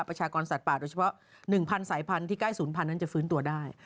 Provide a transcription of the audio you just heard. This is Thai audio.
ประชากรสัตว์ป่าโดยเฉพาะ๑๐๐สายพันธุ์ที่ใกล้ศูนย์พันธุ์นั้นจะฟื้นตัวได้